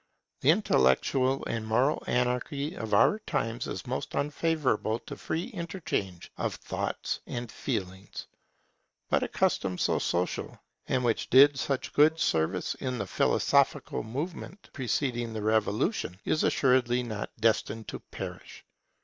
The intellectual and moral anarchy of our times is most unfavourable to free interchange of thoughts and feelings. But a custom so social, and which did such good service in the philosophical movement preceding the Revolution, is assuredly not destined to perish.